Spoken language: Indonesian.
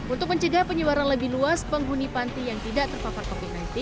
untuk menjaga penyiwaran lebih luas penghuni pantai yang tidak terpapar covid sembilan belas